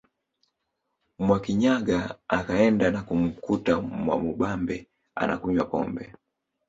Mwakinyaga akaenda na kumkuta Mwamubambe anakunywa pombe